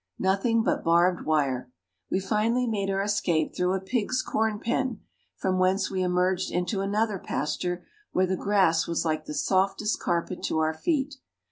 Nothing but barbed wire. We finally made our escape through a pigs' corn pen, from whence we emerged into another pasture where the grass was like the softest carpet to our feet.